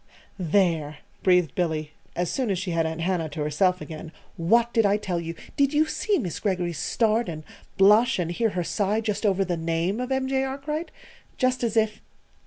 "There!" breathed Billy, as soon as she had Aunt Hannah to herself again. "What did I tell you? Did you see Miss Greggory's start and blush and hear her sigh just over the name of M. J. Arkwright? Just as if